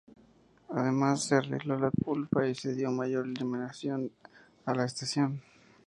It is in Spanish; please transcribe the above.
Además se arregló la cúpula y se dio mayor iluminación a la estación.